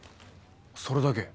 それだけ？